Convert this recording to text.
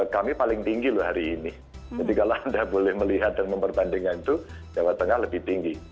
jadi kalau anda melihat dan membandingkan itu jawa tengah lebih tinggi